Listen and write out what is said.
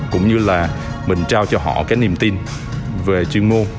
cũng như là mình trao cho họ cái niềm tin về chuyên môn